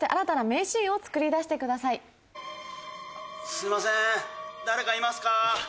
すいません誰かいますか？